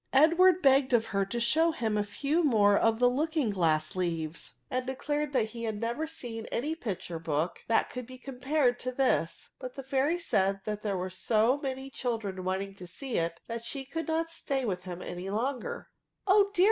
Edward begged of her to show him a few more of the looking ^glass leaves, and declared that he had never seen any picture book that could be compared to this; but the fairy said there were so many children wanting to see it, that she could not stay with him any longer^ " Oh dear!"